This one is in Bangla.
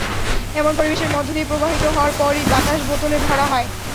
এমন পরিবেশের মধ্য দিয়ে প্রবাহিত হওয়ার পরই বাতাস বোতলে ভরা হয়।